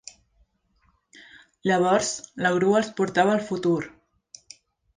Llavors, la grua els portava al futur.